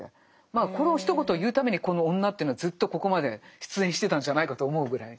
まあこのひと言を言うためにこの女というのはずっとここまで出演してたんじゃないかと思うぐらい。